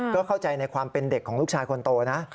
ก็เข้าใจในความเป็นเด็กของลูกชายคนโตนะ